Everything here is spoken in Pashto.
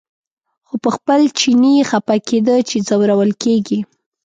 خو په خپل چیني خپه کېده چې ځورول کېږي.